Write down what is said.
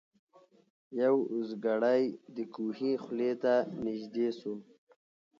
یو اوزګړی د کوهي خولې ته نیژدې سو